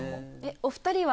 お２人は。